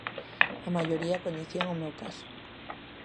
A maioría coñecían o meu caso.